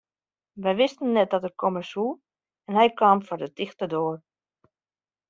Wy wisten net dat er komme soe en hy kaam foar de tichte doar.